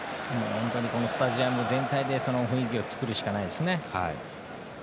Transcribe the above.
このスタジアム全体で雰囲気を作るしかないですね。